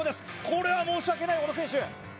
これは申し訳ない小野選手